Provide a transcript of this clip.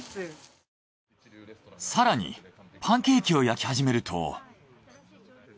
更にパンケーキを焼き始めると。